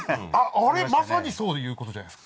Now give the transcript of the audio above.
あれまさにそういうことじゃないですか。